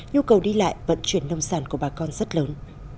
nhu cầu đi lại vận chuyển nông sản của bà con rất lớn